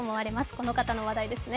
この方の話題ですね。